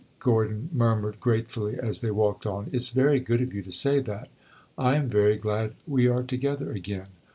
Gordon murmured gratefully, as they walked on. "It 's very good of you to say that; I am very glad we are together again.